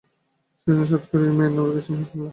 সেইজন্য সাধ করিয়া মেয়ের নাম রাখিয়াছিলেন কমলা।